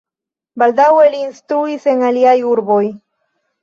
Baldaŭe li instruis en aliaj urboj.